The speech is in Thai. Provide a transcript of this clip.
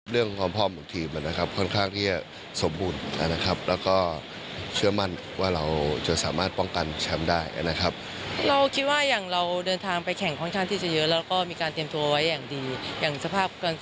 และถ้าเกี่ยวกับโคคโลคโฆษภาพ